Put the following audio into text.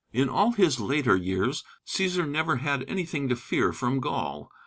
In all his later wars, Cæsar never had anything to fear from Gaul.